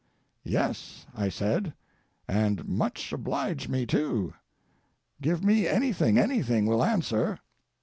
"Yes," I said, "and much oblige me, too. Give me anything—anything will answer."